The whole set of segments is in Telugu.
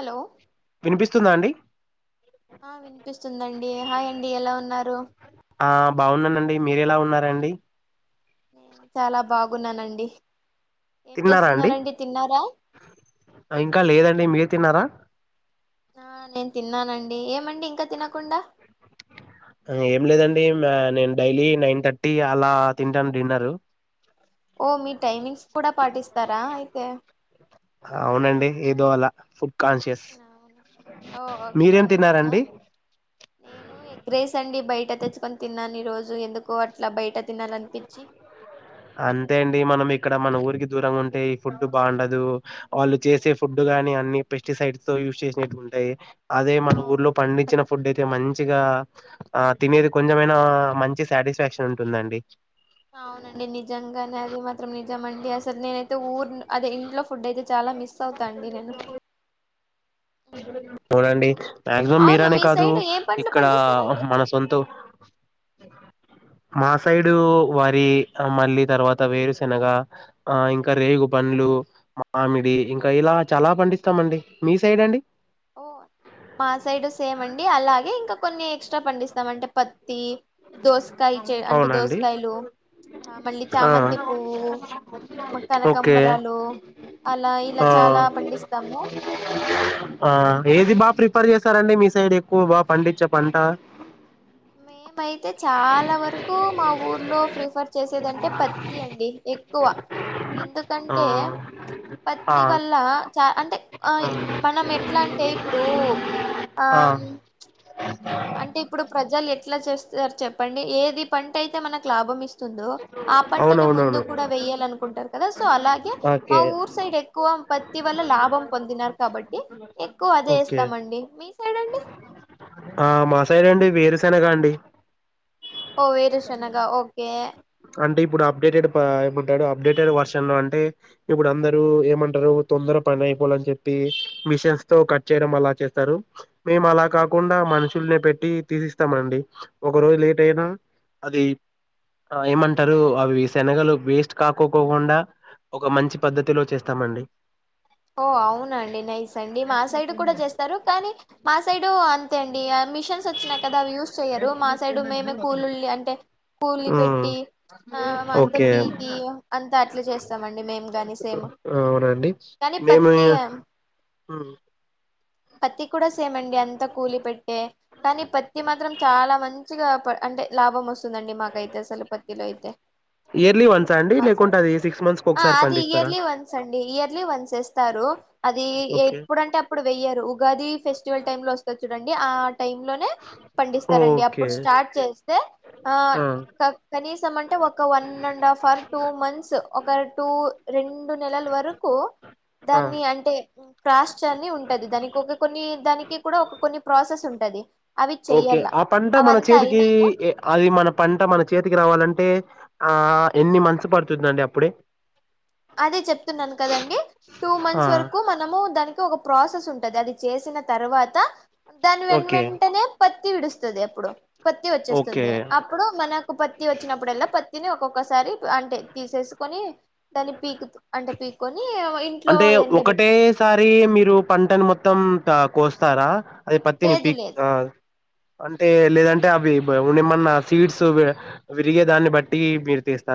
హలో వినిపిస్తుందా అండి ఆ వినిపిస్తుందండి హాయ్ అండి ఎలా ఉన్నారు ఆ బాగున్నానండి మీర ఎలా ఉన్నారండి నేను చాలా బాగున్నానండి ఏం తిన్నారా అండి చేస్తున్నారండి తిన్నారా ఇంకా లేదండి మీరు తిన్నారా ఆ నేను తిన్నానండి ఏమండి ఇంకా తినకుండా ఏం లేదండి మా నేను డైలీ నైన్ థర్టీ అలా తింటాను డిన్నర్ ఓ మీ టైమింగ్స్ కూడా పాటిస్తారా అయితే అవునండి ఏదో అలా ఫుడ్ కాన్షియస్ అవును ఓ ఓకే మీరేం అవునా తిన్నారండి నేను ఎగ్ రైస్ అండి బయట తెచ్చుకొని తిన్నాను ఈ రోజు ఎందుకో అట్లా బయట తినాలనిపించి అంతే అండి మనం ఎక్ ఇక్కడ మన ఊరికి దూరంగా ఉంటే ఈ ఫుడ్ బాగుండదు వాళ్ళు చేసే ఫుడ్ గాని అన్ని పెస్టిసైడ్ తో యూ చేసినట్టుగుంటయి అదే మన ఊర్లో అవును పండించిన ఫుడ్ అయితే మం చిగా ఆ తినేది కొంచెమైనా మంచి సాటిస్ఫాక్షన్ ఉంటుందండి అవునండి నిజంగానే అది మాత్రం నిజం అండి అసలు నేనైతే ఊర్ అదే ఇంట్లో ఫుడ్ అయితే చాలా అలా మిస్ అవుతా అండి నేను అవునండి మాక్సిమం అవును మీరనే మీ కాదు సైడ్ ఏ పంటలు ఇక్కడ పండిస్తారండి మన సొంతు మా సైడు వరి ఆ మళ్ళీ తర్వాత వేరుశనగ ఆ ఇంకా రేగు పండ్లు మామిడి ఇంకా ఇలా చాలా పండిస్తామ అండి మీ సైడ్ అండి ఓ మా సైడ్ సేమ్ అండి అలాగే ఇంకా కొన్ని ఎక్సట్రా పండిస్తాం అంటే పత్తి దోసకాయ అంటే అవునండి దోసకాయలు ఆ మళ్ళీ ఆ చామంతి పువ్వు ఓకే కనకాంబరాలు అలా ఇలా ఆ చాలా పండిస్తాము [unintelligible] ఆ ఏది బాగా ప్రిఫర్ చేస్తారండి మీ సైడ్ ఎక్కువ బాగా పండించే పంట మేమైతే చాలా వరకు మా ఊర్లో ప్రిఫర్ చేసేదంటే పత్తి అండి ఎక్కువ ఆ ఎందుకంటే ఆ పత్తి వల్ల చ అంటే ఆ మనం ఎట్లా అంటే ఇప్పుడు ఆ అంటే ఇప్పుడు ప్రజలు ఎట్లా చేస్తారు చెప్పండి ఏది పంట అయితే మనకు లాభం ఇస్తంది దో పంటనే ముందు అవునవునవును కూడా వేయ్యాలి అనుకుంటారు కదా సో అలాగే మా ఓకే ఊర్ సైడ్ ఎక్కువ పత్తి వల్ల లాభం పొందినారు కాబట్టి ఎక్కువ అదే వేస్తామండి మీ సైడ్ అండి అ మాసైడ్ అండి వేరుశేనగా అండి ఓ వేరుశెనగా ఓకే అంటే ఇప్పుడు అప్డేటెడ్ ఏమంటాడు అప్డేటెడ్ వర్షన్ లో అంటే ఇప్పుడు అందరుూ ఏమంటారు తొందర పని అయిపోవాలని చెప్పి మిషన్స్ తో కట్ చేయ అ చేస్తారు మే అలా కాకుండా మషు నే పెట్టి తీసిస్తామండి ఒక రోజు లేట్ అయినా అది ఆ ఏమంటారు అవి శనగలు వేస్ట్ కాక్కకోకుండా ఒక మంచి పద్ధతిలో చేస్తామండి ఓ అవునండి నైస్ అండి మా సైడ్ కూడా చేస్తారు కానీ మా సైడు అంతే అండి మిషన్స్ వచ్చినాయి కదా అవి యూజ్ చెయ్యరు మా సైడ్ మేమే కూలీళ అంటే కుల్ని ఉమ్, పెట్టి ఆ అంత ఓకే పీకి అంత అట్లా చేస్తామ అండి మేము కాని సేమ్ అవునండి కానీ మేము పత్తి హ్మ్ పత్తి కూడా సేమండి అంత కూలి పెట్టే కానీ పత్తి మాత్రం చాలా మంచిగా అంటే లాభం వస్తుందండి మాకైతే అసలు పత్తిలో అయితే ఇయర్లీ వన్స్ అండి లేకుంటే మాసైడ్ అది సిక్స్ మంత్స్ కి ఆ ఒకసారి అది పండిస్తారా ఇయర్లీ వన్స అండి ఇయర్లీ వన్ చేస్తారు అది ఓకే ఎప్పుడుంటే అప్పుడు వెయ్యారు ఉగాది ఫెస్టివల్ టైమ్ లో వస్తంది చూడండి టైం లోనే పండిస్తారు అండి ఓకే అప్పుడు స్టార్ట్ చేస్తే ఆ కనీసం అంటే ఒక one and half or two months ఒక టూ రెండు నెలల వరకు ఆ దాన్ని అంటే క్రాస్ అని ఉంటది దానికి ఒక కొన్ని దానికి కూడా ఒక కొన్ని ప్రాసెస్ ఉంటది అవి ఓకే చెయ్యాల ఆ పంట మన అవంతా చేతికి అయినాక అది మన పంట మన చేతికి రావాలంటే అంటే ఆ ఎన్ని మంత్స్ పడుతుందండి అప్పుడే అదే చెప్తున్నాను కదండి టూ ఆ! మంత్స్ వరకు మనము దానికి ఒక ప్రాసెస్ ఉంటది అది చేసిన తర్వాత దాని వె ఓకే. వెంటనే ప పత్తి విడుస్తుంది అప్పుడు పత్తి ఓకే. వచ్చేస్తుంది అప్పుడు మనకు పత్తి వచ్చినప్పుడు ఎల్లా పత్తిని ఒకొక్క ఒకసారి అంటే తీసేసుకొని దాన్ని పీకుతు అంటే పీక్కొని ఇంట్లో అంటే ఎండబెట్టాల ఒకటేసారి మంచిగా మీరు పంటని మొత్తం కోస్తారా అది పత్ని లేదు పీక్ లేదు అ అంటే లేదంటే అవి ఏమన్నా స్వీడ్స్ విరిగే దాన్ని బట్టి మీరు తీస్త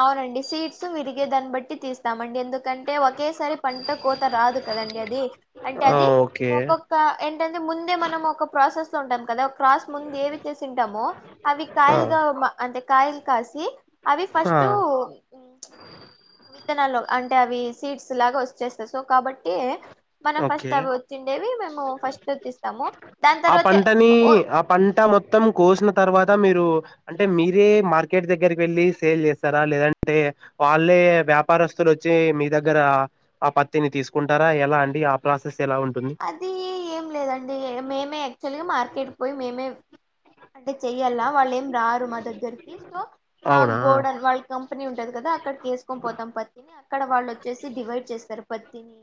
అవునండి సీట్స్ విరిగే దాన్ని బట్టి తీస్తామండి ఎందుకు కంటే ఒకేసారి పంట కోత రాదు కదండి అది అంటే ఆ! అది ఓకే. ఒక్కొక్క ఏంట ముందే మనం ఒక ప్రాసెస్ తో ఉంటాం కదా క్రాస్ ముందు ఏవి చేసింటామో అవి ఆ! కాయలుగా అంటే కాయలు కాసి అవి ఫస్ట్ ఆ త్తనాలో అంటే అవి సీడ్స్ లాగా వచ్చేస్తాయి సో కాబట్టి మనం ఫస్ట్ ఓకే. అవి వచ్చిండేవి మేము ఫస్ట్తిస్తాము దాని ఆ తర్వాత పంటని ఓ ఆ పంట మొత్తం కోసిన తర్వ మీరు అంటే మీరే మార్కెట్ దగ్గరికి వెళ్ళి సేల్ చేస్తారా లేదంటే వాళ్ళే వ్యాపారస్తులు వచ్చి మీ దగ్గర ఆ పత్తిని తీసుకుంటారా ఎలా అండి ఆ ప్రాసెస్ ఎలా ఉంటుంది అది ఏం లేదండి మేమే యాక్చువల్గా మార్కెట్ పోయి మేమే అంటే చెయ్యాల వాళ్ళ ఏం రారు మా దగ్గరికి సో మా అవునా గోడన్ వాళ్ళ కం పత్తి ఉంటది కదా అక్కడికి ఏసుకొని పోతాం పత్తిని అక్కడ వాళ్ళు వచ్చేసి డివైడ్ చేస్తారు పత్తిని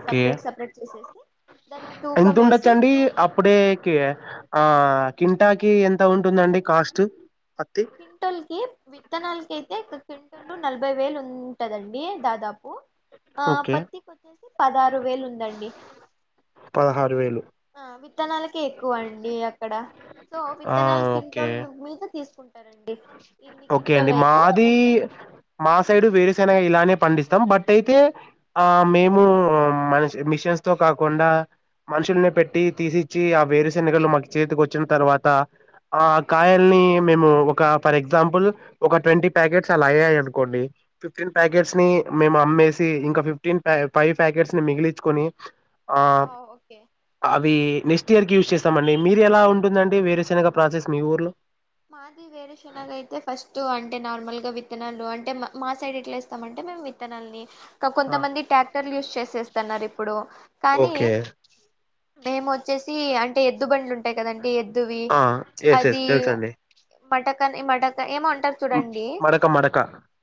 ఓకే సపరేట్ సపరేట్ చేసేసి దాన్ని తూకం ఎంత ఉండొచ్చ వేసి అండి తూ అప్పుడేకి ఆ కింటాకి ఎంత ఉంటుందండి కాస్ట్ పత్తి క్వింటల్ కి విత్తనాలకి అయితే క్వింటల్ నలభై వేలు ఉంటదండి దాదాపు ఆ ఓకే పత్తికి వచ్చేసి పదహారు వేలు ఉందండి పదహారు వేలు ఆ విత్తనాలకే ఎక్కువ అండి అక్కడ సో ఆ విత్తనాలు ఓకే క్వింటల్ మీ తీసు ఓకే అండి మాది ఎంత మా సైడు వేరేసైన ఇలానే పండిస్తాం బట్ అయితే ఆ మేము మష మిషన్స్ తో కాకుండా మనుషుల్ని పెట్టి తీసిచ్చి ఆ వేరు శనగలు మాకు చేతికి వచ్చిన తర్వాత ఆ కాయల్ని మేము ఒక ఫర్ ఎగ్జాంపుల్ ఒక ట్వంటీ ప్యాకెట్స్ అలా అయ్యాయి అనుకోండి ఫిఫ్టీన్ ప్యాకెట్స్ ని మేము అమ్ మేసి ఇంకా ఫిఫ్టీన్ ఫైవ్ ప్యాకెట్స్ ని మిగిలిచ్చుకోని ఆ ఓకే అవి నెక్స్ట్ ఇయర్కి యూజ్ చేస్తామండి మీరు ఎలా ఉంటుందండి వేరుశనగ ప్రాసెస్ మీ ఊర్లో మాది వేరుశనగ అయితే ఫస్ట్ అంటే నార్మల్గా విత్ విత్తనాలు అంటే మా సైడ్ ఎట్ల ఏస్తామంటే మేము విత్తనాల్ని ఆ కొంతమంది ట్రాక్టర్లు యూస్ చేసేస్తన్నారు ఇప్పుడు కానీ ఓకే మేము వచ్చేసి అంటే ఎద్దుబండ్లుంటాయి కదండి ఎద్దువి ఆ ఎస్ ఎస్ అది తెలుసండి మటకాని మటకా ఏమో అంటారు చూడండి మడక మడక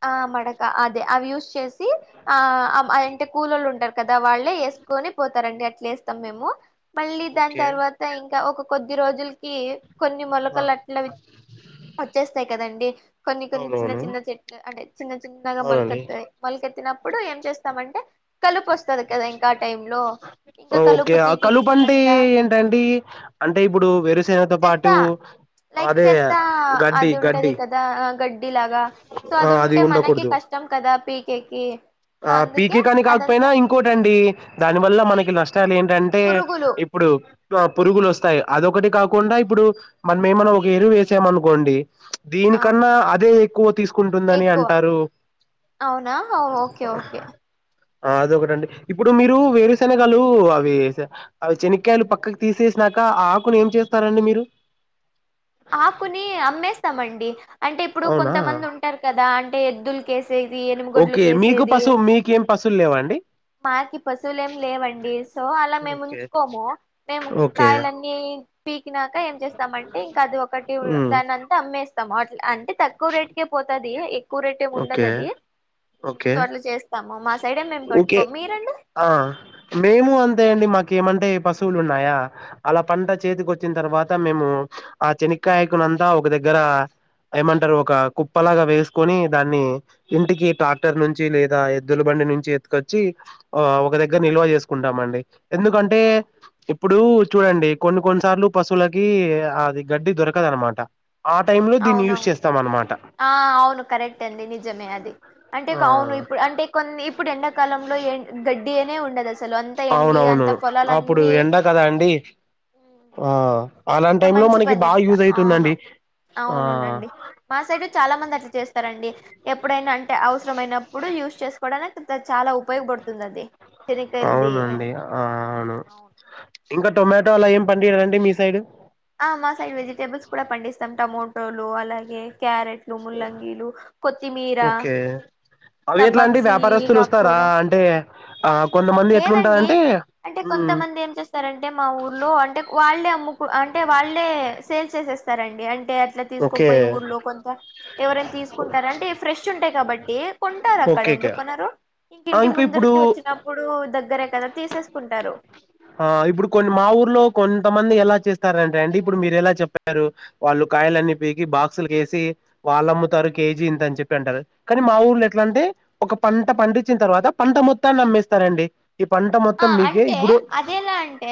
ఆ మడక అదే అవి యూస్ చేసి ఆ అబ అంటే కూలోల్లు ఉంటారు కదా వాళ్ళే వేసుకొని పోతారండి అట్లా వేస్తాం మేము మళ్ళీ దాని ఓకే తర్వాత ఇంకా ఒక కొద్ది రోజులకి కొన్ని ఆ మొలకలు అట్ల వచ్చేస్తాయి కదండి కొన్ని కొన్ని చిన్న అవునవును చిన్న చెట్లు అంటే చిన్న చిన్నగా అవునండి మొలకెత్తాయి మొలకెత్తినప్పుడు ఏం చేస్తామంటే కలుపొస్తాది కదా ఇంకా ఆ టైం లో ఇంకా ఓకే కలుపు ఆ తీపిచ్చి కలుపంటే అంత ఏంటండి అంటే ఇప్పుడు వేరుశనగతో చెత్త పాటు లైక్ అదే చెత్త గడ్డి అది ఉంటది గడ్డి కదా గడ్డి లాగా సో ఆ అది ఉంటే మనకి ఉండకూడదు కష్టం కదా పీకేకి సో ఆ అందుకే పీకేకాని కాక్ పోయినా అదంతా ఇంకోటండి దాని వల్ల మనకి నష్టాలు ఏంటంటే పురుగులు ఇప్పుడు పురుగులు వస్తాయి అదొకటి కాకుండా ఇప్పుడు మనం ఏమన్నా ఒక ఎరువు వేసామనుకోండి దీని అవును కన్నా అదే ఎక్కువ తీసు కుంటుందని ఎక్కువ అంటారు అవునా ఓకే ఓకే అదొకటండి ఇప్పుడు మీరు వేరు శనగలు అవి అవి చెనకాయలు పక్కకు తీసేసి నాకు ఇంకా ఆకును ఏం చేస్తారండి మీరు ఆకుని అమ్మేస్తామండి అంటే ఇప్పుడు అవునా కొంతమంది ఉంటారు కదా అంటే ఎద్దులకి వేసేది ఎనుముగొడ్లకు వేసేది సులు లేవండి మాకి పశువులు ఏమి లేవండి సో అలా మేము ఓకే ఉంచుకోము మేము ఓకే కాయలన్నీ పీకినాక ఏం చేస్తామంటే కాదు ఒకటి హ్మ్. దాన్నంత అమ్మేస్తాము అట్ అంటే తక్కువ రేట్కే పోతాది. ఎక్ క్కువ రేటేం ఓకే ఉండదది ఓకే సో అట్ల చేస్తాం. ఓకే. ఆ మేము అంతే అండి మా కేమంటే పశువులున్నాయా అలా పంట చేతికొచ్చిన తర్వాత మేము ఆ చేనిక్కాయకు అంతా ఒక దగ్గర ఏమంటారు ఒక కుప్పలాగా వేసుకొని దాన్ని ఇంటికి ట్రాక్టర్ నుంచి లేదా ఎద్ ఎద్దుల బండి నుంచి ఎత్తుకొచ్చి ఆ ఒక దగ్గర నిల్వ చేసుకుంటామండి ఎందుకంటే ఇప్పుడు చూడండి కొన్ని కొన్నిసార్లు పశువులకి అది గడ్డి దొరకదనమాట ఆ టైమ్లో దీన్ని యూజ్ అవునవును చేస్తామన్నమాట ఆ అవును కరెక్ట్ అండి నిజమే అది అంటే ఆ ఒక ఆవును ఇప్పుడు అంటే కొన్ని ఇప్పుడు ఎండాకాలంలో ఎ గడ్డి అనే ఉండదు అసలు అంత ఎండి అవునవును అంత అప్పుడు పొలాలన్ని ఎండ అండి. ఆ అలాంటి చానా టైమ్ లో మంచి మనకి పని బాగా అట్లా యూజ్ అవును అయితుందండి ఆ అవునుండండి మా సైడు చాలా మందట్లా చేస్తరండి. ఎప్పుడైనా అంటే అవసరమైనప్పుడు యూజ్ చేసుకోవడానికి చాలా ఉప ఉపయోగపడుతుందది చెనిక్కాయల్ది అవునండి ఆ అవును ఇంకా టొమాటో అలా ఏం పండిరా అండి మీ సైడు మొత్తం టోమాటోలు అలాగే క్యారెట్లు ముల్లంగీలు కొత్తిమీర ఓకే అవి ఎట్లా అండి టబ్బాక్సి ఇగ వ్యాపారస్తులు వస్తారా ఆక్కూర అంటే ఆ కొంతమంది లేదండి. ఎట్లుంటారంటే అంటే మ్మ్ కొంతమంది ఏం చేస్తారంటే మా ఊర్లో అంటే వాళ్ళే అమ్ మ్ముకు అంటే వాళ్ళే సేల్ చేసేస్తారండి అం ంటే అట్లా తీసుకొని ఓకే పోయి ఊర్లో కొంత ఎవరైనా తీసుకుంటారా అంటే ఫ్రెష్ ఉంటాయ్ కాబట్టి కొంటారక్ క్కడ ఓకే ఓకే ఎందుక్కొనరు ఇంక ఆ ఇంటి ఇంకా ఇప్పుడు ముందరికి వచ్చిన ఆ ఇప్పుడు కొన్ని మా ఊర్లో కొన్ కొంతమంది ఎలా చేస్తారంటే అండి అంటే ఇప్పుడు మీరు ఎలా చెప్పారు వాళ్ళు కాయలన్ని పీకి బాక్సుల్కేసి వాళ్ళమ్ముతారు కేజీ ఇంత అని చెప్పి అంటారు. కానీ మా ఊర్లో ఎట్లంటే ఒక పంట పండించిన తర్వాత పంట మొత్తాన్ని అమ్మేస్తారండి. ఈ పంట ఆ మొత్తం నీకే అంటే ఇప్పుడు అదే ఎలా అంటే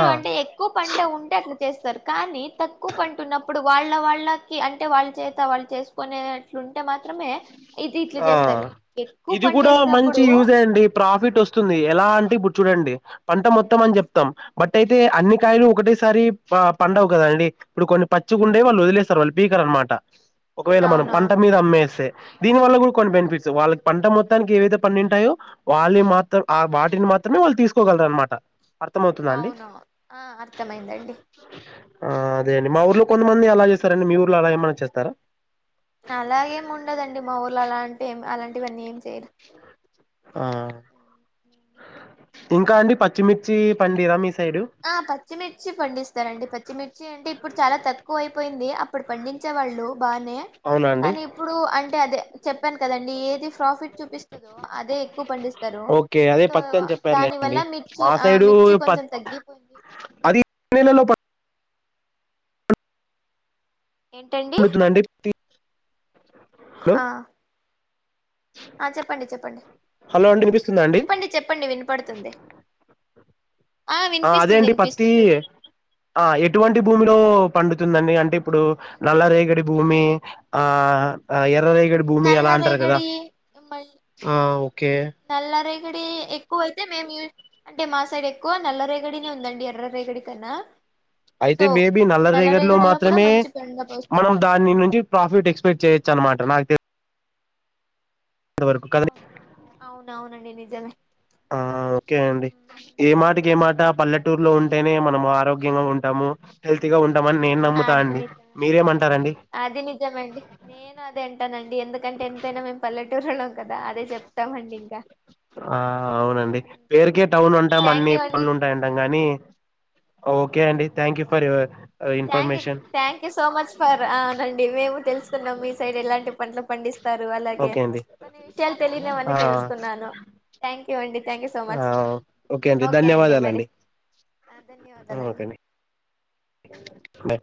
ఆ అంటే ఎక్కువ పంట ఉంటే అట్ల చేస్తారు కానీ తక్కువ పంట ఉన్నప్పుడు వాళ్ళ వాళ్ళకి అంటే వాళ్ళ చేత వాళ్ళు చేసుకునేట్లు ఉంటే మాత్రమే ఇది ఇట్లా ఆ చేస్తారు ఎక్కువ ఇది పంట కూడా మంచి వేసినప్పుడు యూజే అండి. ప్రాఫిట్ వస్తుంది. ఎలా అంటే ఇప్పుడు చూడండి పంట మొత్తం అని చెప్తాం బట్ అయితే అన్ని కాయలు ఒకటేసారి వా ప ఉండవు కదండి. ఇప్పుడు కొన్ని పచ్చిగుంటే వాళ్ళు వదిలేస్తారు. వాళ్ళు పీకరనమాట ఒకవేళ మనం పంట అవునవును మీద అమ్మేస్తే వాళ్ళ కూడా కొన్ని బెనిఫిట్స్ వాళ్ళక్ పంట మొత్తానికి ఏవైతే పండీంటాయో వాళ్ళవి మాత్రం వాటిని మాత్రమే వాళ్ళు తీసుకోగలరనమాట అర్థమవుతుందా అండి. అవునవును ఆ అర్థమైందండి ఆ అదే అండి మా ఊర్లో కొంత మంది అలా చేస్తారండి మీ ఊర్లో అలా ఏమన్నా చేస్తారా అలాగేమి ఉండదండి మా ఊర్లో అలాంటే ఏం అలాంటివన్నీ ఏం చెయ్రు ఆ ఇంకా అండి పచ్చిమిర్చి పండిరా మీ స్ ఆ పచ్చిమిర్చి పండిస్తారండి. పచ్ చ్చిమిర్చి అంటే ఇప్పుడు చాలా తక్కువైపోయింది అప్పుడు పండించే వాళ్ళు బాన్నయా అవునా అండి కానీ ఇప్పుడు అంటే అదే చెప్పాన్ కదండి ఏది ప్రాఫిట్ చూపిస్తదో అదే ఎక్కువ పండిస్తరు. ఓకే అదే సో పత్తి అని దాని వల్ల చెప్పారులేండి మిర్చి మా ఆ సైడు మిర్చి పత్ కొంచెం తగ్గి అది నెలలోప ఏంటండి. పండుతుందండి పత్తి? హలో ఆ ఆ చెప్పండి చెప్పండి. హలో అండి వినిపిస్తుందా అండి చెప్పండి చెప్పండి వినపడుతుంది. ఆ అదే వినిపిస్తుంది అండి పత్తి వినిపిస్తుంది ఆ ఎటువంటి భూమిలో ఉంటుందండి. అంటే ఇప్పుడు నల్ల రేగడి భూమి ఆ ఆ ఎర్ ఎర్రరేగడి భూమి అలా అంటారు కదా నల్లరేగడి మళ్ ఆ ఓకే రేగిడి ఎక్కువ అయితే మేము అంటే మా సైడ్ ఎక్కువ నల్ల రేగడినే ఉందండి ఎర్ర రేగడి కన్నా అయితే సో బేబీ నల్ల రేగిడి లో నల్లరేగడిలో కూడా మాత్రమే మంచి పండపు వస్తది మనం దాని నుంచి ప్రాఫిట్ ఎక్స్పెక్ట్ చేయొచ్చు అనమాట నాకు తెలి నంతవరకు కదండి అవునండి నిజమే ఆ ఓకే అండి ఏ మాటకి ఏ మాట మరి పల్లెటూరులో ఉంటేనే ఇంకేంటండి మనము ఆరోగ్యంగా ఉంటాము హెల్తీ గా ఉం నేను నమ్ముతా అది అండి నిజమే మీరేమంటార్ అది నిజమండి నేను అదే అంటానండి ఎందుకంటే ఎంతైనా మేము పల్లె అదే చెప్తామండి ఇంకా ఆ అవునండి పేరుకే టౌన్ ఉంటాం థ్యాంక్ అన్ని యూ అండి పనులు ఉంటాయింటాం కానీ ఓకే అండి thank you for your thank information thank you so much for అవునండి మేము తెలుసుకున్నాం మీ సైడ్ ఎలాంటి పంటలు పండిస్ స్తారు అలాగే ఓకే అండి కొన్ని విషయాలు తెలియనివన్నీ ఆ తెలుసుకున్నాను థ్యాంక్ యూ అండి థ్యాంక్ యూ సో ఆ మచ్ ఓకే అండి మరి ఆ ధన్యవాదాలండి బయ్